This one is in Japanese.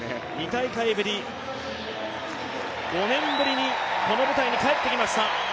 ２大会ぶり、５年ぶりにこの舞台に帰ってきました。